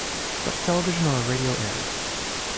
Is that a television or a radio aerial?